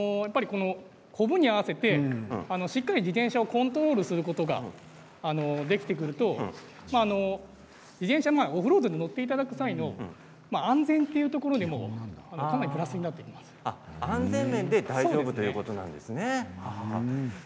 こぶに合わせてしっかりと自転車をコントロールすることができてくるとオフロードで乗っていただく際の安全というところにも安全面で大丈夫ということなんですね。